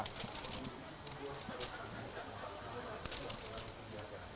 tertera bagi pemilihan